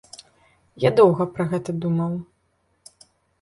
Я доўга пра гэта думаў.